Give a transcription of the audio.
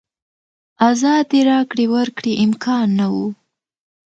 ازادې راکړې ورکړې امکان نه و.